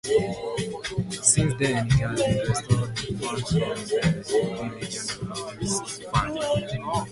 Since then, it has been restored with funds from the European Regional Development Fund.